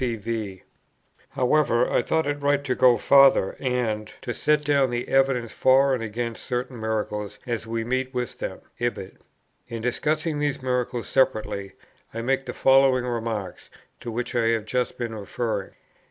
cv. However, I thought it right to go farther and "to set down the evidence for and against certain miracles as we meet with them," ibid. In discussing these miracles separately, I make the following remarks, to which I have just been referring.